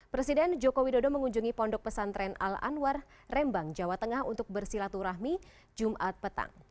presiden joko widodo mengunjungi pondok pesantren al anwar rembang jawa tengah untuk bersilaturahmi jumat petang